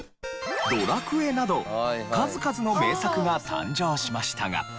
『ドラクエ』など数々の名作が誕生しましたが。